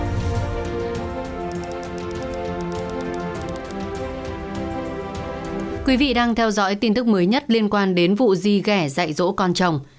các quý vị đang theo dõi tin tức mới nhất liên quan đến vụ di ghẻ dạy rỗ con chồng